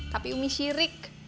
tapi umi syirik